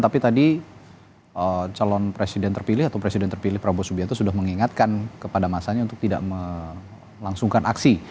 tapi tadi calon presiden terpilih atau presiden terpilih prabowo subianto sudah mengingatkan kepada masanya untuk tidak melangsungkan aksi